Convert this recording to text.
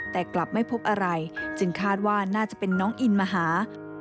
แต่กลับไม่พบอะไรจึงคาดว่าน่าจะเป็นน้องอินมาหา